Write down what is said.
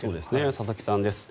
佐々木さんです。